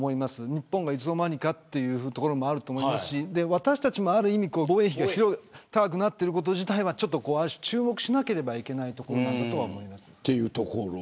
日本がいつの間にかというところもあると思うし私たちは防衛費が高くなっていること自体注目しなければいけないと思います。